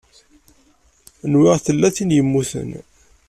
Nwiɣ tella tin i yemmuten.